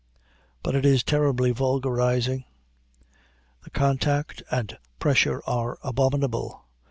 But it is terribly vulgarizing. The contact and pressure are abominable.